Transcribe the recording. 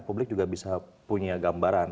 publik juga bisa punya gambaran